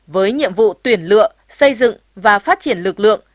với nhiệm vụ tuyển lựa xây dựng và phát triển lực lượng